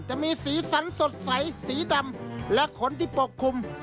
จะมีสีสันสดใสสีดำและขนที่ปกคลุม